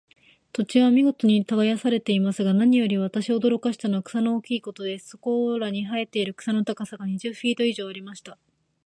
土地は見事に耕されていますが、何より私を驚かしたのは、草の大きいことです。そこらに生えている草の高さが、二十フィート以上ありました。